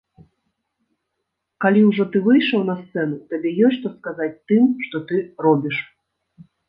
Калі ўжо ты выйшаў на сцэну, табе ёсць што сказаць тым, што ты робіш.